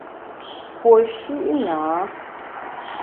Puo shi’ nâ.